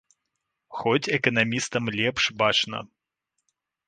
Хоць эканамістам лепш бачна.